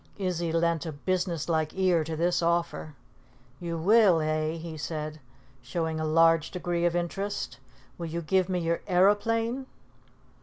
Izzy lent a business like ear to this offer. "You will, eh?" he said, showing a large degree of interest. "Will you give me your aeroplane?"